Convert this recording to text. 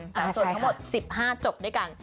แต่ส่วนทั้งหมด๑๕จบด้วยกัน